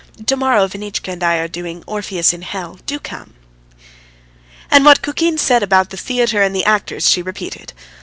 Tomorrow Vanitchka and I are doing 'Orpheus in Hell.' Do come." And what Kukin said about the theatre and the actors she repeated.